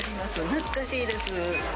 懐かしいです。